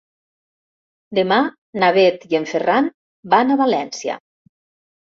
Demà na Bet i en Ferran van a València.